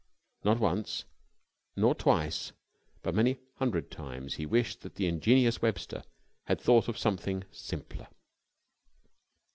Not once nor twice but many hundred times he wished that the ingenious Webster had thought of something simpler.